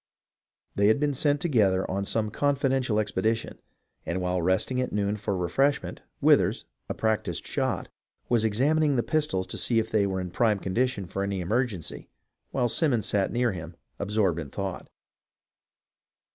They had been sent together on some confidential expedition, and while resting at noon for refreshment, Withers, a practised shot, was examining the pistols to see if they were in prime condition for any emergency, while Simons sat near him, absorbed in thought.